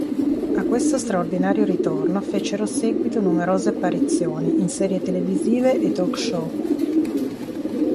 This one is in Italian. A questo straordinario ritorno fecero seguito numerose apparizioni in serie televisive e talk-show.